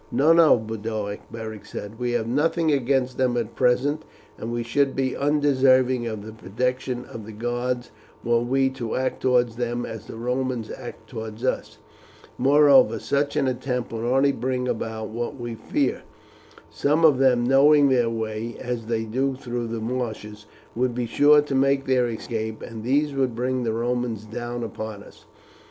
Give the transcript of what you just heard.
"No, no Boduoc," Beric said. "We have nothing against them at present, and we should be undeserving of the protection of the gods were we to act towards them as the Romans act towards us. Moreover, such an attempt would only bring about what we fear. Some of them, knowing their way as they do through the marshes, would be sure to make their escape, and these would bring the Romans down upon us.